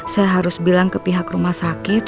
saya harus bilang ke pihak rumah sakit